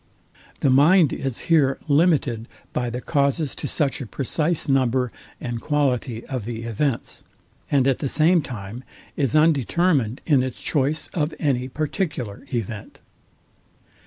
The mind is here limited by the causes to such a precise number and quality of the events; and at the same time is undetermined in its choice of any particular event.